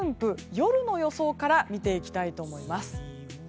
夜の予想から見ていきたいと思います。